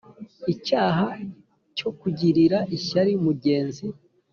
icyaha cyo kugirira ishyari mugenzi